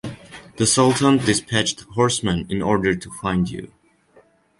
The sultan dispatched horsemen in order to find you.